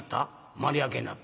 丸焼けになった？